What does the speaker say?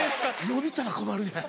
伸びたら困るやん。